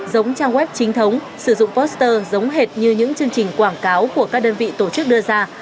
giống trang web chính thống sử dụng poster giống hệt như những chương trình quảng cáo của các đơn vị tổ chức đưa ra